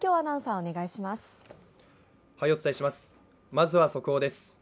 まずは速報です。